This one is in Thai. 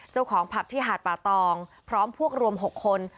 เจ้าของผับที่หาดป่าตองพร้อมพวกรวม๖คน